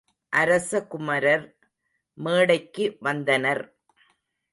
அரசகுமரர் மேடைக்கு வந்தனர்.